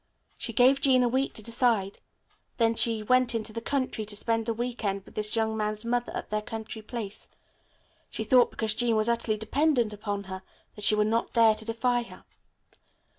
She gave Jean a week to decide. Then she went into the country to spend a week end with this young man's mother at their country place. She thought because Jean was utterly dependent upon her that she would not dare to defy her.